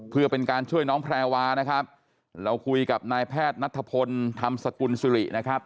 เพื่อเป็นการช่วยน้องแพรวานะครับเราคุยกับนายแพทย์นัทพลธรรมสกุลสุรินะครับ